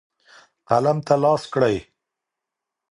قلم ته لاس کړئ.